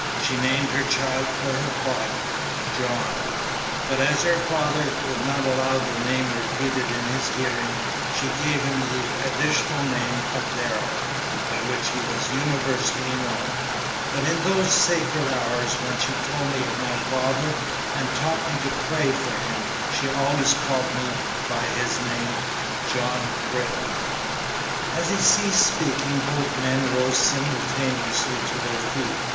She named her child for his father, 'John,' but as her father would not allow the name repeated in his hearing she gave him the additional name of 'Darrell,' by which he was universally known; but in those sacred hours when she told me of my father and taught me to pray for him, she always called me by his name, 'John Britton.'" As he ceased speaking both men rose simultaneously to their feet.